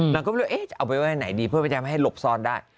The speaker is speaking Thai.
นางก็ว่าเอาไปไหนดีเพื่อให้หลบซ่อนได้